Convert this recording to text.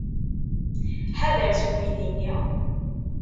Ḥader seg uydi-nni?